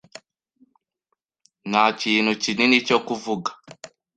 Nta kintu kinini cyo kuvuga.